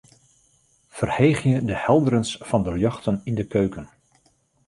Ferheegje de helderens fan de ljochten yn de keuken.